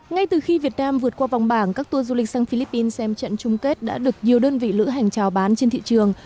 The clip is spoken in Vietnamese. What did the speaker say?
ngay từ khi việt nam vượt qua vòng bảng các tour du lịch sang philippines xem trận chung kết đã được nhiều đơn vị lữ hành trào bán trên thị trường